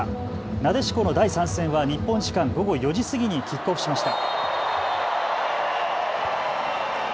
なでしこの第３戦は日本時間午後４時過ぎにキックオフしました。